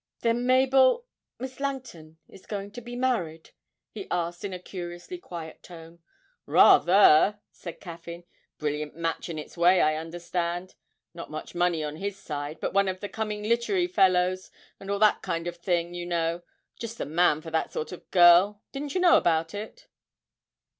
'Then Mabel Miss Langton, is going to be married?' he asked in a curiously quiet tone. 'Rather,' said Caffyn; 'brilliant match in its way, I understand. Not much money on his side, but one of the coming literary fellows, and all that kind of thing, you know; just the man for that sort of girl. Didn't you know about it?'